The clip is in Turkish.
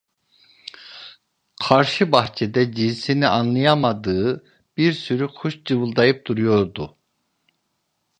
Karşı bahçede cinsini anlayamadığı bir sürü kuş cıvıldayıp duruyordu.